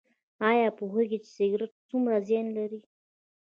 ایا پوهیږئ چې سګرټ څومره زیان لري؟